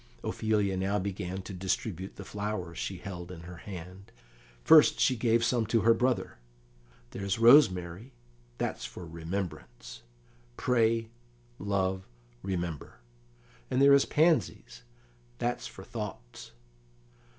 Ophelia now began to distribute the flowers she held in her hand. First she gave some to her brother. "There's rosemary, that's for remembrance; pray, love, remember. And there is pansies, that's for thoughts."